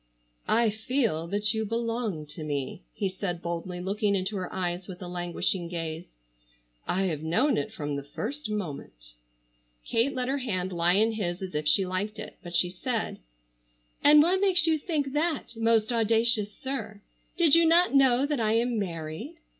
"I feel that you belong to me," he said boldly looking into her eyes with a languishing gaze. "I have known it from the first moment." Kate let her hand lie in his as if she liked it, but she said: "And what makes you think that, most audacious sir? Did you not know that I am married?"